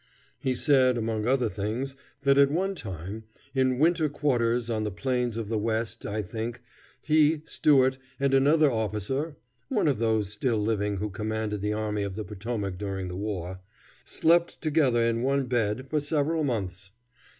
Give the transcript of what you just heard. He said, among other things, that at one time, in winter quarters on the plains of the West I think, he, Stuart, and another officer (one of those still living who commanded the army of the Potomac during the war) slept together in one bed, for several months.